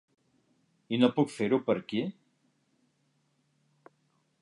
I no puc fer-ho per aquí?